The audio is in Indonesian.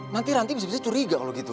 nanti ranti bisa bisa curiga kalau gitu